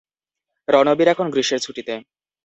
রণবীর এখন গ্রীষ্মের ছুটিতে।